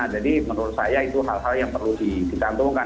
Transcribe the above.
jadi menurut saya itu hal hal yang perlu dikantumkan